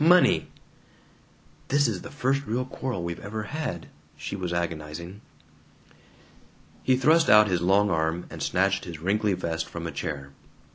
Money!" ("This is the first real quarrel we've ever had," she was agonizing.) He thrust out his long arm and snatched his wrinkly vest from a chair.